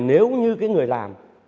nếu như cái người làm